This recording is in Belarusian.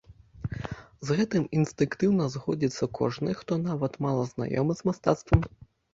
З гэтым інстынктыўна згодзіцца кожны, хто нават мала знаёмы з мастацтвам.